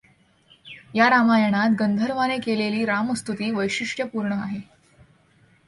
या रामायणात गंधर्वाने केलेली रामस्तुती वैशिष्टपूर्ण आहे.